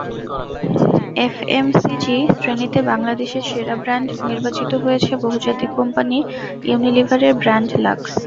FMCG শ্রেণিতে বাংলাদেশের সেরা ব্র্যান্ড নির্বাচিত হয়েছে বহুজাতিক কোম্পানি ইউনিলিভারের ব্র্যান্ড লাক্স।